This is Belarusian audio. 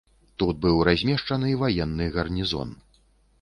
Тут быў размешчаны ваенны гарнізон.